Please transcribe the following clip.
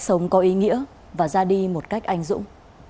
sống có ý nghĩa và ra đi một cách anh dũng